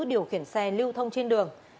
điều khiển xe lưu thông trên đường